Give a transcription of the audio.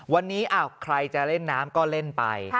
วันนี้ใครจะเล่นน้ำก็เล่นไป